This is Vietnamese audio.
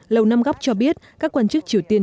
lầu năm góc cho biết các quan chức triều tiên